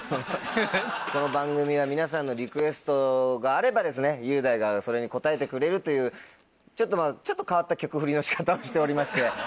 この番組は皆さんのリクエストがあれば雄大がそれに応えてくれるというちょっと変わった曲フリの仕方をしておりまして。